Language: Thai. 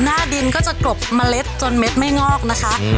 หน้าดินก็จะกรบเมล็ดจนเม็ดไม่งอกนะคะ